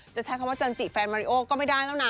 จะใช้คำว่าจันจิแฟนมาริโอก็ไม่ได้แล้วนะ